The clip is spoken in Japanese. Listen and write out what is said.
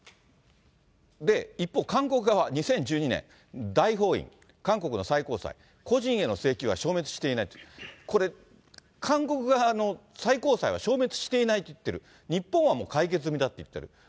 で、一方、韓国側２０１２年、大法院韓国の最高裁、個人への請求は消滅していないと。これ、韓国側の最高裁は消滅していないといってる、日本はもう解決済みだっていっている。